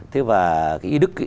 thế và y đức